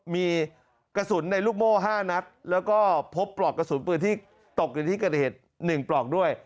มีกระสุนในลูกโม่๕นัดแล้วก็พบปลอกกระสุนปืนที่ตกอยู่ที่เกิดเหตุ๑ปลอกด้วย